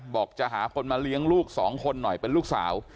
บอกจะหาคนมาเลี้ยงลูกสองคนหน่อยเป็นลูกสาว